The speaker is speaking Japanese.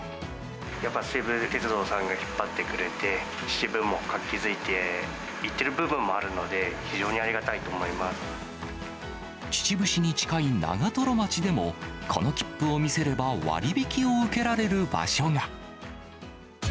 やっぱ西武鉄道さんが引っ張ってくれて、秩父も活気づいていっている部分もあるので、非常に秩父市に近い長瀞町でも、この切符を見せれば割引を受けられる場所が。